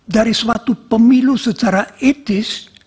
dari suatu pemilu secara etis